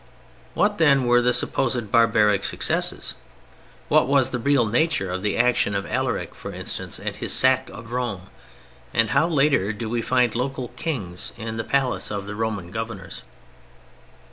What, then, were the supposed barbaric successes? What was the real nature of the action of Alaric, for instance, and his sack of Rome; and how, later, do we find local "kings" in the place of the Roman Governors?